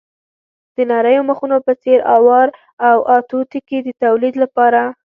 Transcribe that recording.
د نریو مخونو په څېر اوار او اتو کېږي د تولید لپاره.